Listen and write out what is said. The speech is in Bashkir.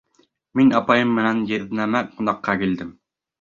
Мин апайым менән еҙнәмә ҡунаҡҡа килдем.